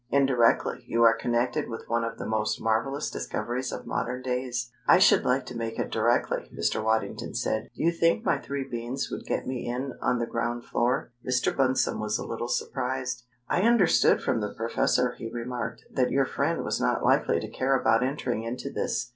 "Indirectly, you are connected with one of the most marvelous discoveries of modern days." "I should like to make it 'directly,'" Mr. Waddington said. "Do you think my three beans would get me in on the ground floor?" Mr. Bunsome was a little surprised. "I understood from the professor," he remarked, "that your friend was not likely to care about entering into this?"